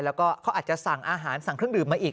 แล้วก็เขาอาจจะสั่งอาหารสั่งเครื่องดื่มมาอีก